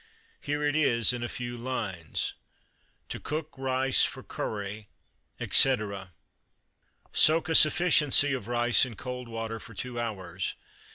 Here it is, in a few lines To cook Rice for Curry, etc. Soak a sufficiency of rice in cold water for two hours.